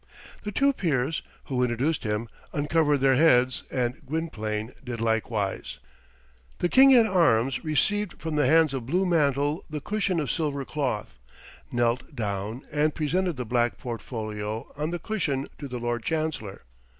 The two peers, who introduced him, uncovered their heads, and Gwynplaine did likewise. The King at Arms received from the hands of Blue Mantle the cushion of silver cloth, knelt down, and presented the black portfolio on the cushion to the Lord Chancellor.